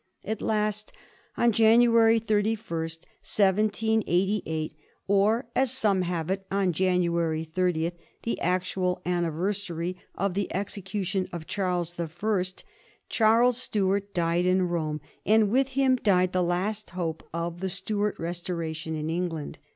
At last, on January 31, 1788, or, as some have it, on January 30, the actual anni versary of the execution of Charles the Firet, Charles Stuart died in Borne, and with him died the last hope of the Stuart restoration in England.